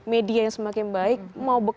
media yang semakin baik mau